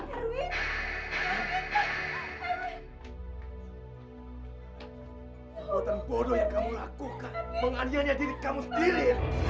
buatan bodoh yang kamu lakukan mengandianya diri kamu sendiri